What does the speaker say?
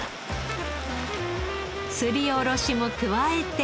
すりおろしも加えて。